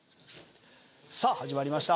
さあ始まりました。